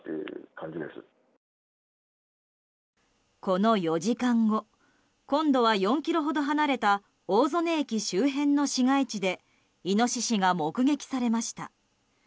この４時間後、今度は４ｋｍほど離れた大曽根駅周辺の市街地でイノシシが目撃されました。